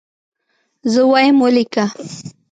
زه وایم ولیکه.